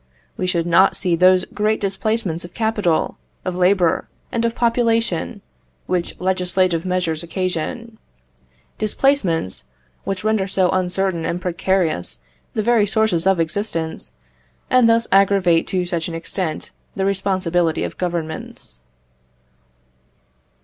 We should not see those great displacements of capital, of labour, and of population, which legislative measures occasion; displacements, which render so uncertain and precarious the very sources of existence, and thus aggravate to such an extent the responsibility of Governments.